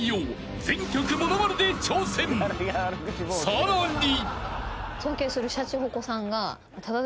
［さらに］